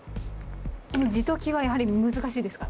この字解きはやはり難しいですか？